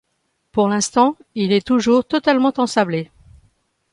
Pour l'instant, il est toujours totalement ensablé.